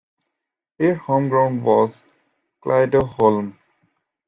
Their home ground was Clydeholm.